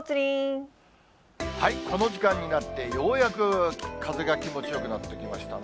この時間になって、ようやく風が気持ちよくなってきましたね。